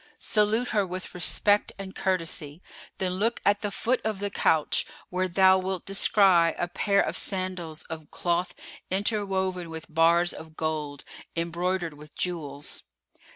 Salute her with respect and courtesy: then look at the foot of the couch, where thou wilt descry a pair of sandals[FN#455] of cloth interwoven with bars of gold, embroidered with jewels.